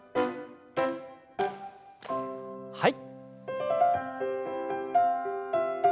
はい。